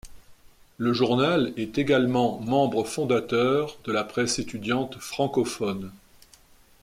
Le journal est également membre fondateur de la Presse étudiante francophone.